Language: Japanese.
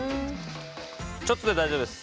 ちょっとで大丈夫です。